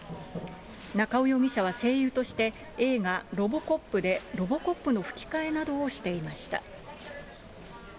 中尾容疑者は声優として、映画、ロボコップで、ロボコップの吹き替えなどをしていました。